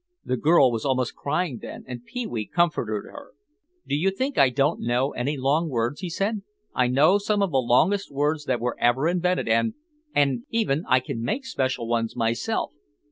The girl was almost crying then and Pee wee comforted her. "Do you think I don't know any long words?" he said. "I know some of the longest words that were ever invented and—and—even I can make special ones myself.